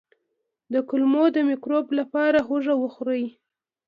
د کولمو د مکروب لپاره هوږه وخورئ